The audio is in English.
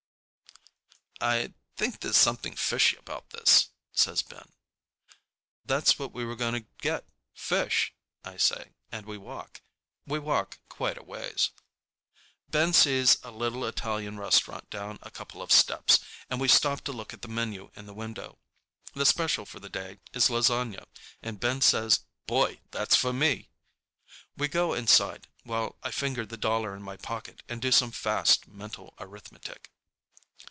"I think there's something fishy about this," says Ben. "That's what we're going to get, fish," I say, and we walk. We walk quite a ways. Ben sees a little Italian restaurant down a couple of steps, and we stop to look at the menu in the window. The special for the day is lasagna, and Ben says, "Boy, that's for me!" We go inside, while I finger the dollar in my pocket and do some fast mental arithmetic.